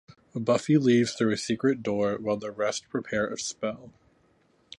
Buffy leaves through a secret door while the rest prepare a spell.